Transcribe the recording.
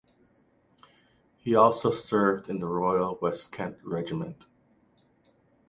He also served in the Royal West Kent Regiment.